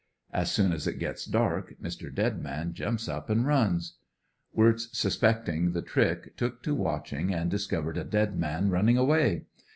As soon as it gets dark, Mr. Dead man jumps up and runs. Wirtz suspecting the trick took to watching, and discovered a ' dead man" running away.